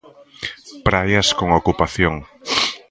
Praias con ocupación.